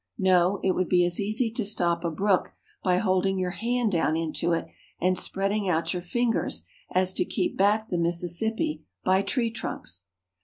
No ; it would be as easy to stop a brook by holding your hand down into it and spreading out your fingers as to keep back the Mississippi by tree trunks.